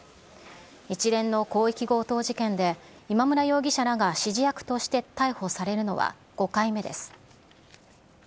一連の広域強盗事件で、今村容疑者らが指示役として逮捕されるのは５回目です。